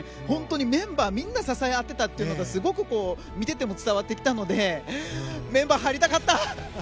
本当にメンバーみんな支え合っていたというのがすごく見てても伝わってきたのでメンバー、入りたかった。